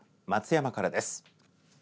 松山からです。